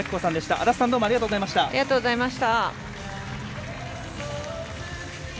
安達さんどうもありがとうございました。